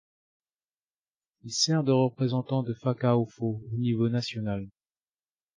Il sert de représentant de Fakaofo au niveau national.